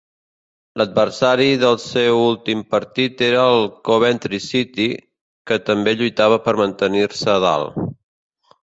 L'adversari del seu últim partit era el Coventry City, que també lluitava per mantenir-se a dalt.